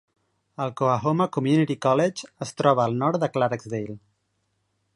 El Coahoma Community College es troba al nord de Clarksdale.